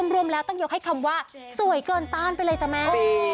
รวมแล้วต้องยกให้คำว่าสวยเกินต้านไปเลยจ้ะแม่